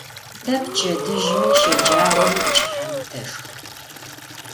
Тэ пчэдыжьыми, щэджагъоми, пчыхьэми тэшхэ.